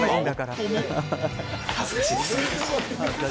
恥ずかしいですね。